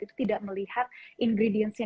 itu tidak melihat ingredients nya